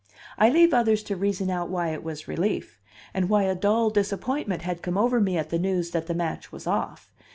I leave others to reason out why it was relief, and why a dull disappointment had come over me at the news that the match was off.